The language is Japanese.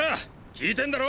聞いてんだろ！